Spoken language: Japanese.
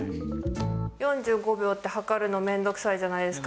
４５秒って計るのめんどくさいじゃないですか、